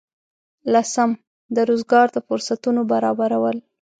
لسم: د روزګار د فرصتونو برابرول.